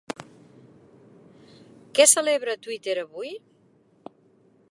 Què celebra Twitter avui?